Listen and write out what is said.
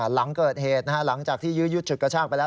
หลังเกิดเหตุหลังจากที่ยื้อยุดฉุดกระชากไปแล้ว